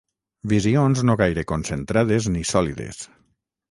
Visions no gaire concentrades ni sòlides.